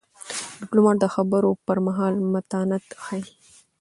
ډيپلومات د خبرو پر مهال متانت ښيي.